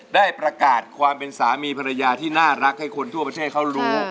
ได้ประกาศความเป็นสามีภรรยาที่น่ารักให้คนทั่วประเทศเขารู้